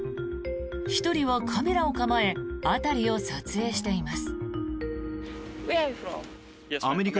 １人はカメラを構え辺りを撮影しています。